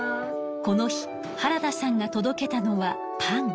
この日原田さんが届けたのはパン。